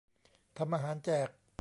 ทำอาหารแจก